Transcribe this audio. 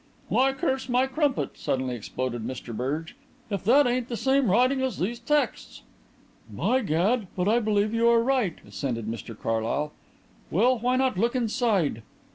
"Why, curse my crumpet," suddenly exploded Mr Berge, "if that ain't the same writing as these texts!" "By gad, but I believe you are right," assented Mr Carlyle. "Well, why not look inside?"